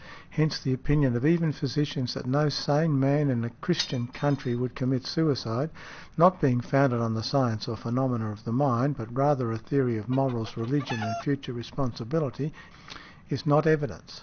Hence the opinion of even physicians that no sane man in a Christian country would commit suicide, not being founded on the science or phenomena of the mind, but rather a theory of morals, religion and future responsibility, is not evidence .